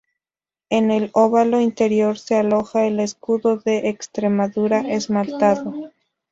En el óvalo interior se aloja el Escudo de Extremadura esmaltado.